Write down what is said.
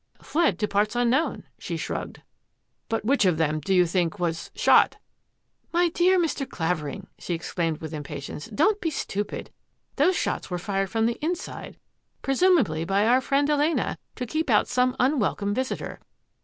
" Fled to parts unknown !" she shrugged. " But which of them do you think was — shot? "" My dear Mr. Clavering," she exclaimed with impatience, " don't be stupid ! Those shots were fired from the inside, presumably by our friend Elena, to keep out some unwelcome visitor.